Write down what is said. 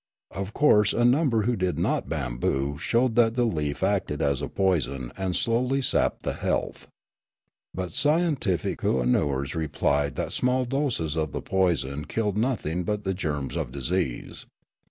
Of course a number who did not bamboo showed that the leaf acted as a poison and slowly sapped the health. But scientific kooannooers replied that small doses of the poison killed nothing but the germs of disease.